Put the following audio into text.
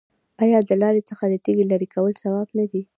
آیا د لارې څخه د تیږې لرې کول ثواب نه دی؟